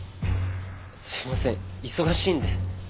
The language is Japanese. すみません忙しいんで。